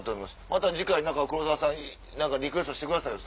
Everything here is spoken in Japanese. また次回黒沢さん何かリクエストしてくださいよ